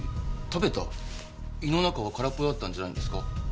胃の中は空っぽだったんじゃないんですか？